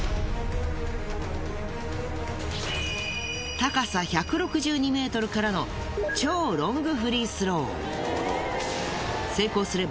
高さ１６２ｍからの超ロングフリースロー。